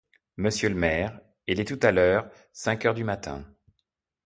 Monsieur le maire, il est tout à l’heure cinq heures du matin.